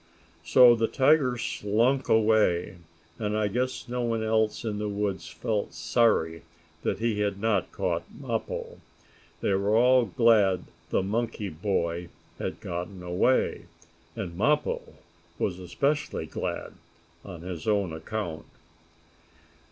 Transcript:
So the tiger slunk away, and I guess no one else in the woods felt sorry that he had not caught Mappo. They were all glad the monkey boy had gotten away, and Mappo was especially glad, on his own account.